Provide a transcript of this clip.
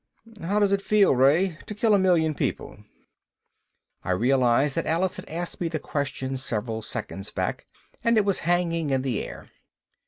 "How does it feel, Ray, to kill a million people?" I realized that Alice had asked me the question several seconds back and it was hanging in the air.